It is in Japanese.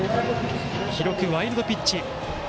記録、ワイルドピッチ。